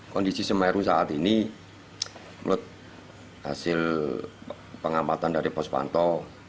kondisi semeru saat ini menurut hasil pengamatan dari pos pantau